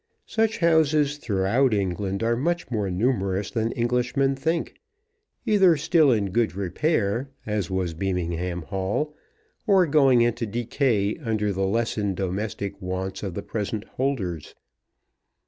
Such houses throughout England are much more numerous than Englishmen think, either still in good repair, as was Beamingham Hall, or going into decay under the lessened domestic wants of the present holders.